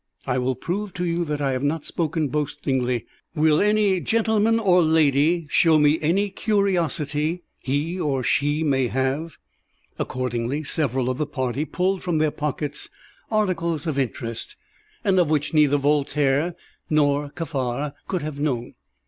I will prove to you that I have not spoken boastingly. Will any gentleman or lady show me any curiosity he or she may have?" Accordingly several of the party pulled from their pockets articles of interest, and of which neither Voltaire nor Kaffar could have known.